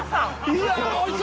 いや